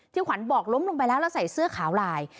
ขวัญบอกล้มลงไปแล้วแล้วใส่เสื้อขาวลาย